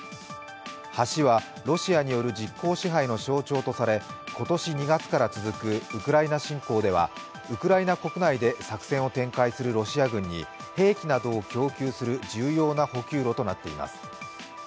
橋は、ロシアによる実効支配の象徴とされ、今年２月から続くウクライナ侵攻ではウクライナ国内で作戦を展開するロシア軍に兵器などを供給する重要な補給路となっています。